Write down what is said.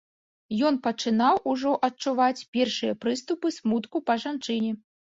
Ён пачынаў ужо адчуваць першыя прыступы смутку па жанчыне.